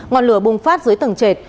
ngọn lửa bùng phát dưới tầng trệt